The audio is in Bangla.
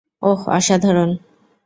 অহ, অসাধারণ।